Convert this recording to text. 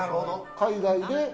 海外で？